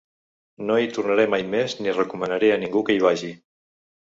No hi tornaré mai més ni recomanaré a ningú que hi vagi.